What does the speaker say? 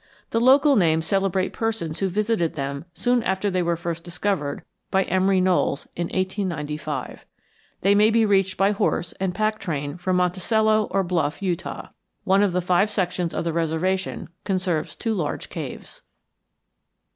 The local names celebrate persons who visited them soon after they were first discovered by Emery Knowles in 1895. They may be reached by horse and pack train from Monticello, or Bluff, Utah. One of the five sections of the reservation conserves two large caves.